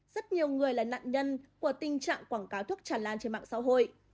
rất nhiều người là nạn nhân của tình trạng quảng cáo thuốc tràn lan trên mạng xã hội